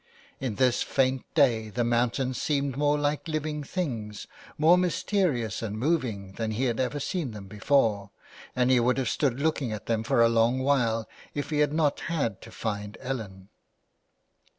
In this faint day the mountains seemed more like living things, more mysterious and moving, than he had ever seen them before, and he would have stood looking at them for a long while if he had not had to find Ellen.